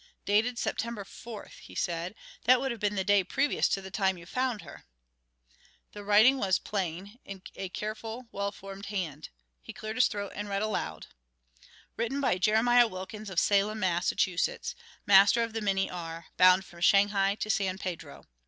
"Dated September fourth," he said. "That would have been the day previous to the time you found her." The writing was plain, in a careful, well formed hand. He cleared his throat and read aloud: "Written by Jeremiah Wilkens of Salem, Mass., master of the Minnie R., bound from Shanghai to San Pedro.